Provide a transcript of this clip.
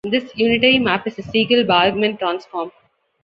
This unitary map is the Segal-Bargmann transform.